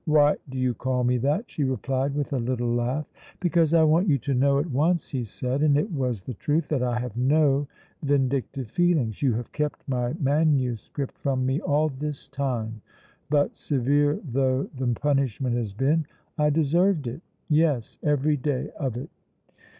"Why do you call me that?" she replied, with a little laugh. "Because I want you to know at once," he said, and it was the truth, "that I have no vindictive feelings. You have kept my manuscript from me all this time, but, severe though the punishment has been, I deserved it, yes, every day of it."